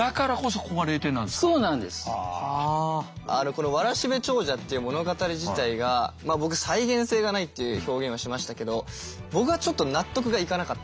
この「わらしべ長者」っていう物語自体が僕再現性がないって表現をしましたけど僕はちょっと納得がいかなかったんですよ。